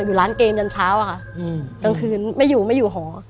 อยู่ร้านเกมยันเช้าอะค่ะกลางคืนไม่อยู่ไม่อยู่หอ